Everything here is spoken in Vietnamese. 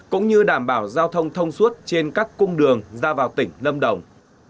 cũng như đảm bảo giao thông thông suốt trên các cung đường ra vào tỉnh lâm đồng